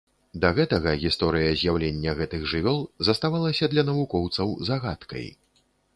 Да гэтага гісторыя з'яўлення гэтых жывёл заставалася для навукоўцаў загадкай.